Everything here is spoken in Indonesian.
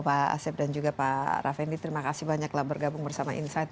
pak asep dan juga pak raffendi terima kasih banyaklah bergabung bersama insight